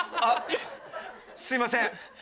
あっすいません